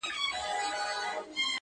راځي سبا،